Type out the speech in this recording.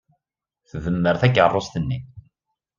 Tdemmer takeṛṛust-nni.